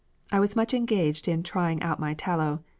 I was much engaged in trying out my tallow.